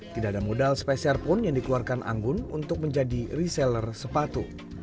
tidak ada modal spesial pun yang dikeluarkan anggun untuk menjadi reseller sepatu